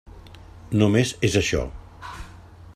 Només és això.